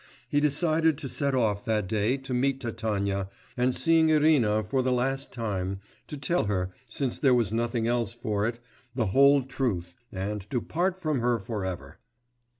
He decided to set off that day to meet Tatyana, and seeing Irina for the last time, to tell her, since there was nothing else for it, the whole truth, and to part from her for ever.